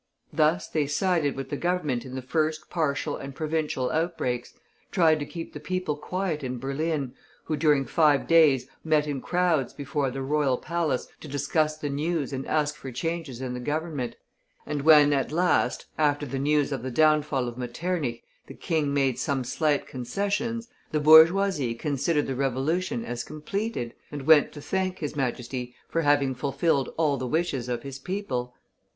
Thus they sided with the Government in the first partial and provincial outbreaks, tried to keep the people quiet in Berlin, who, during five days, met in crowds before the royal palace to discuss the news and ask for changes in the Government; and when at last, after the news of the downfall of Metternich, the King made some slight concessions, the bourgeoisie considered the Revolution as completed, and went to thank His Majesty for having fulfilled all the wishes of his people.